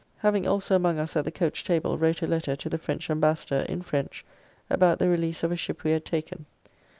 Having also among us at the Coach table wrote a letter to the French ambassador, in French, about the release of a ship we had taken.